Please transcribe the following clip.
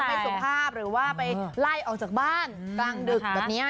แบบว่าไม่สุขภาพหรือว่าลายออกจากบ้านตั้งดึกตรงเนี้ย